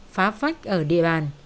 phá phách ở địa bàn